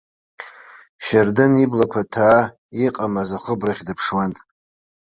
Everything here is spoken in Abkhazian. Шьардын иблақәа ҭаа иҟамыз ахыбрахь дыԥшуан.